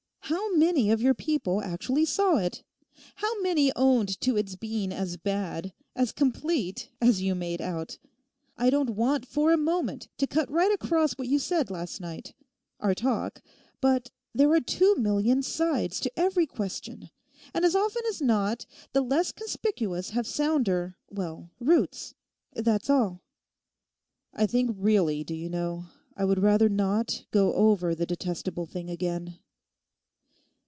'How many of your people actually saw it? How many owned to its being as bad, as complete, as you made out? I don't want for a moment to cut right across what you said last night—our talk—but there are two million sides to every question, and as often as not the less conspicuous have sounder—well—roots. That's all.' 'I think really, do you know, I would rather not go over the detestable thing again.